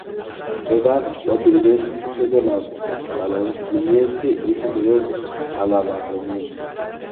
La edad Hauteriviense sucede a la Valanginiense y es anterior a la Barremiense.